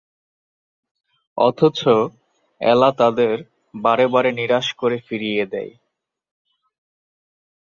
অথচ এলা তাদের বারে বারে নিরাশ করে ফিরিয়ে দেয়।